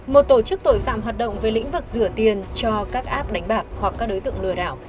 một tổ chức tội phạm hoạt động về lĩnh vực rửa tiền cho các app đánh bạc hoặc các đối tượng lừa đảo